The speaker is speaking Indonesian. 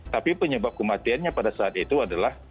tapi penyebab kematiannya pada saat itu adalah